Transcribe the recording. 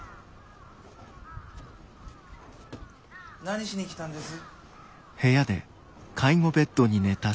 何しに来たんです？